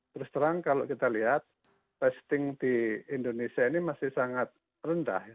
terus terang kalau kita lihat testing di indonesia ini masih sangat rendah